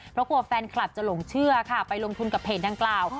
เพราะกลัวแฟนคลับจะหลงเชื่อค่ะไปลงทุนกับเพจดังกล่าว